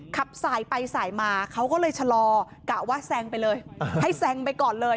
ขับสายไปสายมาเขาก็เลยชะลอกะว่าแซงไปเลยให้แซงไปก่อนเลย